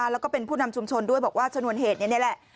แล้วก็เป็นผู้นำชุมชนด้วยบอกว่าชนวนเหตุนี้นี่แหละ